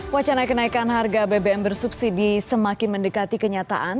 wacana kenaikan harga bbm bersubsidi semakin mendekati kenyataan